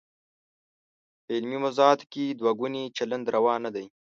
په علمي موضوعاتو کې دوه ګونی چلند روا نه دی.